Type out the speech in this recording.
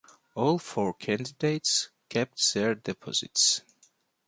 All four candidates kept their deposits.